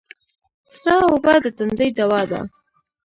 سړه اوبه د تندې دوا ده